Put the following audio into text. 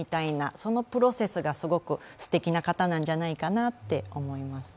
そのプロセスがすごくすてきな方なんじゃないかなと思います。